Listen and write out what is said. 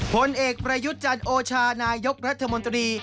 ผลเอกประยุทธ์จันโอชานายกรัฐมนตรี